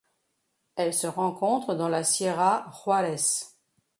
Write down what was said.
Elle se rencontre dans la Sierra Juárez.